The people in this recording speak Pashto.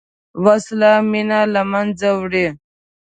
وسله مینه له منځه وړي